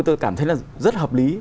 tôi cảm thấy là rất hợp lý